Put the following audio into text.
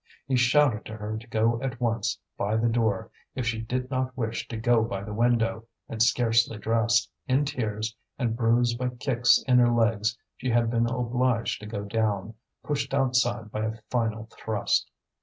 He shouted to her to go at once by the door if she did not wish to go by the window; and scarcely dressed, in tears, and bruised by kicks in her legs, she had been obliged to go down, pushed outside by a final thrust.